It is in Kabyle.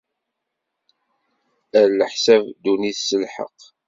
Ad iḥaseb ddunit s lḥeqq.